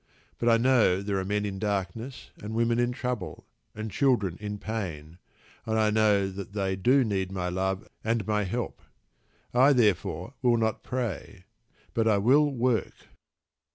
But I know there are men in darkness and women in trouble, and children in pain, and I know they do need my love and my help. I therefore will not pray; but I will work."